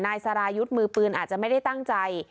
นายสรายุทธ์มือปืนอาจจะไม่ได้ตั้งใจ